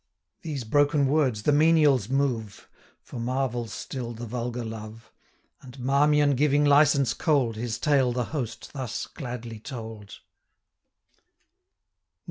These broken words the menials move, (For marvels still the vulgar love,) 320 And, Marmion giving license cold, His tale the host thus gladly told: XIX.